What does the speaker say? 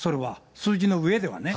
数字の上ではね。